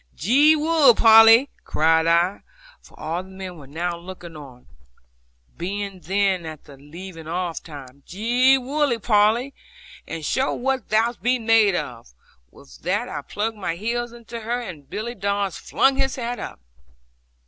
'Gee wug, Polly!' cried I, for all the men were now looking on, being then at the leaving off time: 'Gee wug, Polly, and show what thou be'est made of.' With that I plugged my heels into her, and Billy Dadds flung his hat up.